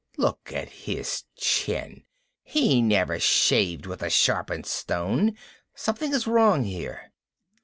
Look at his chin he never shaved with a sharpened stone! Something is wrong here."